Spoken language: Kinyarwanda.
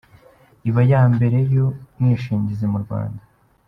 iba ya mbere y’Ubwishingizi mu Rwanda.